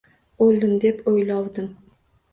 O`ldim, deb o`ylovdim